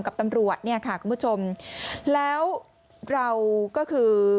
กับตำรวจเนี่ยค่ะคุณผู้ชมแล้วเราก็คือ